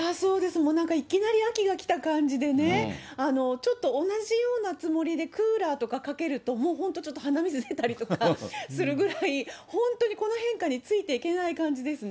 もうなんかいきなり秋が来た感じでね、ちょっと同じようなつもりでクーラーとかかけると、もう本当、ちょっと鼻水出たりとかするぐらい、本当にこの変化についていけない感じですね。